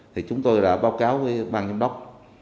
thì chúng tôi đã báo cáo với bang giám đốc